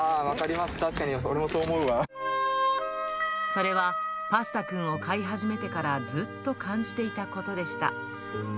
分かります、確かに俺もそうそれは、パスタくんを飼い始めてからずっと感じていたことでした。